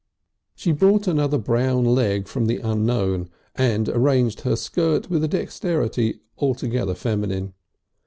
She brought another brown leg from the unknown, and arranged her skirt with a dexterity altogether feminine.